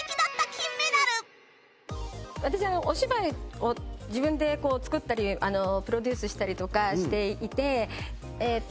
私お芝居を自分で作ったりプロデュースしたりとかしていてえっと